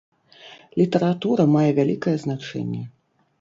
Літаратура мае вялікае значэнне.